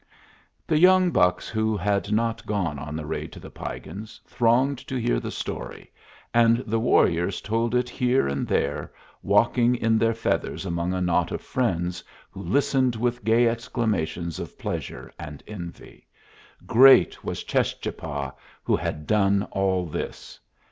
The young bucks who had not gone on the raid to the Piegans thronged to hear the story, and the warriors told it here and there, walking in their feathers among a knot of friends, who listened with gay exclamations of pleasure and envy. Great was Cheschapah, who had done all this!